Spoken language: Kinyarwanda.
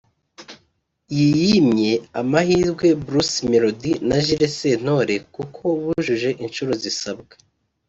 iyi yimye amahirwe Bruce Melody na Jules Sentore kuko bujuje inshuro zisabwa